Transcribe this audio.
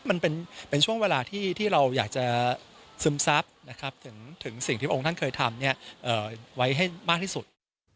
มันเป็นช่วงเวลาที่เราอยากจะซึมซับนะครับถึงสิ่งที่พระองค์ท่านเคยทำไว้ให้มากที่สุด